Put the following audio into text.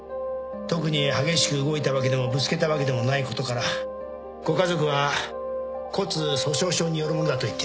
特に激しく動いたわけでもぶつけたわけでもないことからご家族は骨粗しょう症によるものだと言っています。